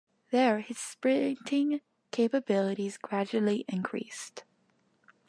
There, his sprinting capabilities gradually increased.